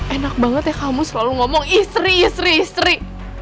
enak banget ya kamu selalu ngomong istri istri